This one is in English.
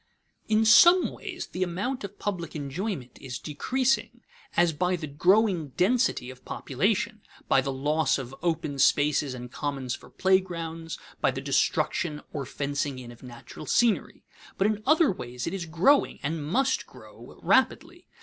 In some ways the amount of public enjoyment is decreasing, as by the growing density of population, by the loss of open spaces and commons for playgrounds, by the destruction or fencing in of natural scenery; but in other ways it is growing and must grow rapidly.